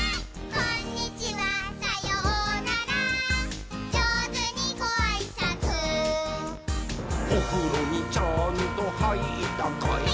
「こんにちはさようならじょうずにごあいさつ」「おふろにちゃんとはいったかい？」はいったー！